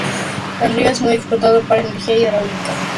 El río está muy explotado para energía hidráulica.